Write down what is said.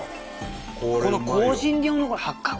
この香辛料八角？